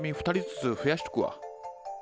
２人ずつ増やしとくわ。